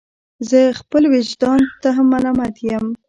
زه خپل ویجدان ته هم ملامت یم.